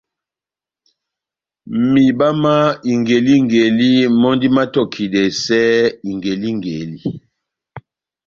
Mihiba má ingelingeli mɔ́ndi mátɔkidɛsɛ ingelingeli.